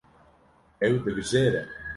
Ew dibijêre.